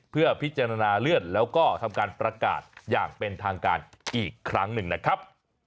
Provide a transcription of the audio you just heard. เพื่อพิจารณาเลื่อนแล้วก็ทำการประกาศอย่างเป็นทางการอีกครั้งหนึ่งนะครับ